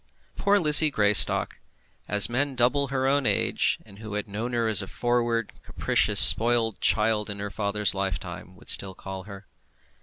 Poor Lizzie Greystock! as men double her own age, and who had known her as a forward, capricious, spoilt child in her father's lifetime, would still call her.